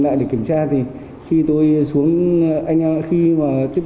là bị thương ở tay